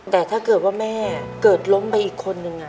แต่ถ้าเกิดว่าแม่เกิดล้มไปอีกคนนึง